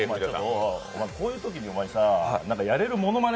こういうときにさ、やれるものまね。